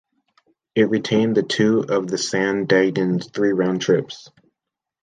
It retained two of the "San Diegan's" three round-trips.